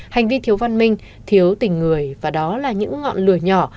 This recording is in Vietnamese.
hành vi thiếu văn minh thiếu tình người và đó là những ngọn lửa nhỏ